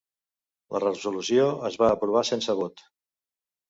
La resolució es va aprovar sense vot.